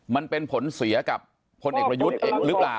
มันเป็นผลเสียกับพลเอกประยุทธ์หรือเปล่า